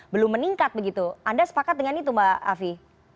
belum meningkat begitu anda sepakat dengan itu mbak afi